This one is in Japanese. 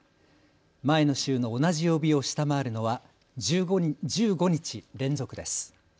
前の週の同じ曜日を下回るのは１５日連続です。